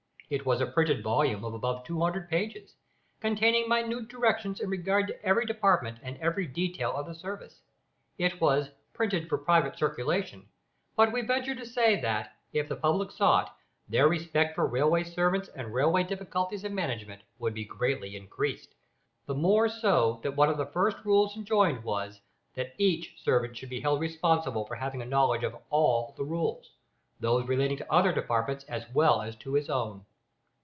It was a printed volume of above two hundred pages, containing minute directions in regard to every department and every detail of the service. It was "printed for private circulation;" but we venture to say that, if the public saw it, their respect for railway servants and railway difficulties and management would be greatly increased, the more so that one of the first "rules" enjoined was, that each servant should be held responsible for having a knowledge of all the rules those relating to other departments as well as to his own.